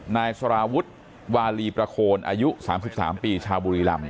นายสารวุฒิวาลีประโคนอายุ๓๓ปีชาวบุรีรำ